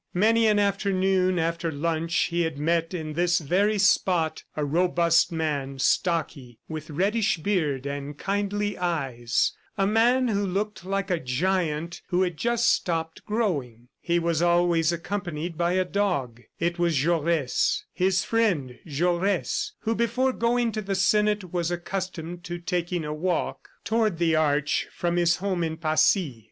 Many an afternoon, after lunch, he had met in this very spot a robust man, stocky, with reddish beard and kindly eyes a man who looked like a giant who had just stopped growing. He was always accompanied by a dog. It was Jaures, his friend Jaures, who before going to the senate was accustomed to taking a walk toward the Arch from his home in Passy.